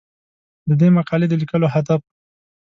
د دې مقالې د لیکلو هدف